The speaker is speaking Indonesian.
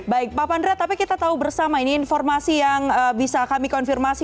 baik pak pandra tapi kita tahu bersama ini informasi yang bisa kami konfirmasi